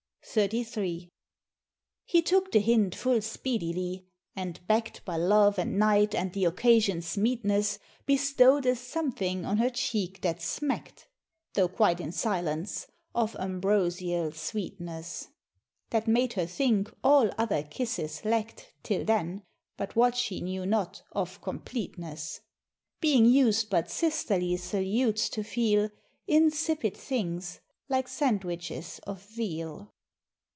XXXIII. He took the hint full speedily, and, back'd By love, and night, and the occasion's meetness, Bestow'd a something on her cheek that smack'd (Tho' quite in silence) of ambrosial sweetness; That made her think all other kisses lack'd Till then, but what she knew not, of completeness; Being used but sisterly salutes to feel, Insipid things like sandwiches of veal.